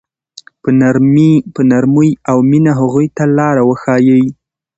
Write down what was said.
په نرمۍ او مینه هغوی ته لاره وښایئ.